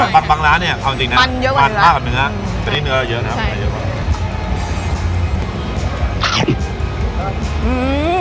แบบบางล้านเนี้ยเอาจริงน่ะมันเยอะกว่านึงหรือแต่นี่เหนือเราเยอะนะใช่